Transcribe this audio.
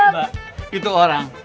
mbak itu orang